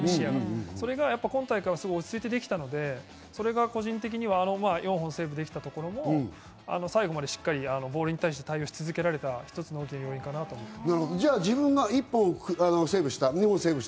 それが今大会は落ち着いてできたので、個人的にはあの４本セーブできたのも最後までしっかりボールに対応し続けられた、一つの要因かなと思います。